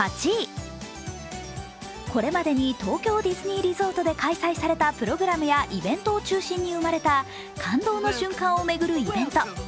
これまでに東京ディズニーリゾートで開催されたプログラムやイベントを中心に生まれた感動の瞬間を巡るイベント。